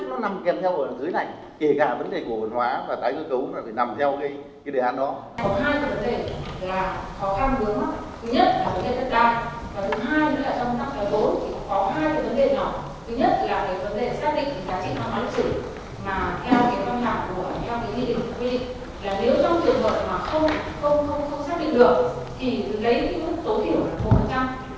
lao động và một số vương mắc khác